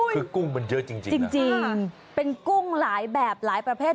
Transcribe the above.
คือกุ้งมันเยอะจริงเป็นกุ้งหลายแบบหลายประเภท